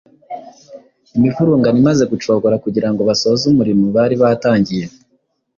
imivurungano imaze gucogora kugira ngo basoze umurimo bari baratangiye.